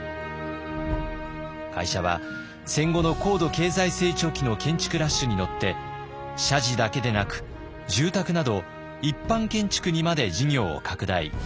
会社は戦後の高度経済成長期の建築ラッシュに乗って社寺だけでなく住宅など一般建築にまで事業を拡大。